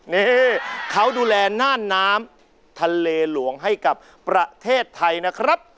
นี่เขาดูแลน่านน้ำทะเลหลวงให้กับประเทศไทยนะครับ